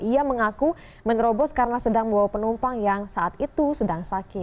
ia mengaku menerobos karena sedang membawa penumpang yang saat itu sedang sakit